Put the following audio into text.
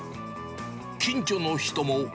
近所の人も。